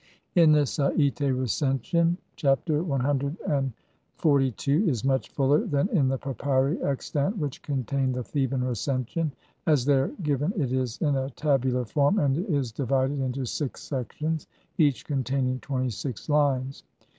In the Sa'ite Recension (see Lepsius, op. cit., Bl. 59) Chapter CXLII is much fuller than in the papyri extant which contain the Theban Recension ; as there given it is in a tabular form and is divided into six sections each containing twenty six lines.